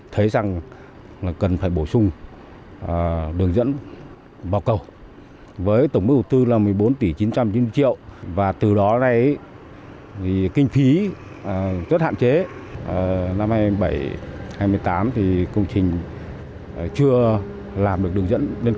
thấy rằng là cần phải bổ sung